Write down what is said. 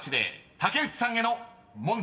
［竹内さんへの問題］